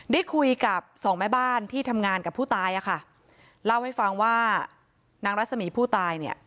ได้คุยกับสองแม่บ้านที่ทำงานกับผู้ตายอ่ะค่ะเล่าให้ฟังว่านางรัศมีผู้ตายเนี่ย